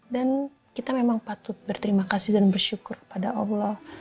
kita memang patut berterima kasih dan bersyukur kepada allah